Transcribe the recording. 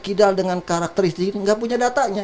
kidal dengan karakteristik ini gak punya datanya